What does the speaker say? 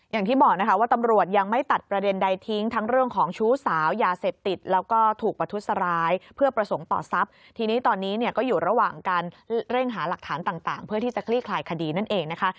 อย่างที่บอกนะคะว่าตำรวจยังไม่ตัดประเด็นใดทิ้งทั้งเรื่องของชู้สาวยาเสพติดแล้วก็ถูกประทุษร้ายเพื่อประสงค์ต่อทรัพย์ทีนี้ตอนนี้เนี่ยก็อยู่ระหว่างการเร่งหาหลักฐานต่างเพื่อที่จะคลี่คลายคดีนั่นเองนะคะ